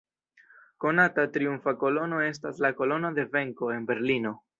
Konata triumfa kolono estas la "kolono de venko" en Berlino.